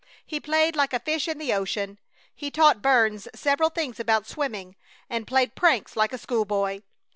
He played like a fish in the ocean. He taught Burns several things about swimming, and played pranks like a school boy.